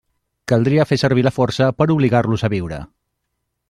Caldria fer servir la força per a obligar-los a viure.